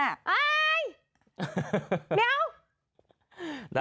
ไม่เอา